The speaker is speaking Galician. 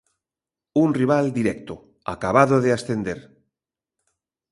Un rival directo, acabado de ascender.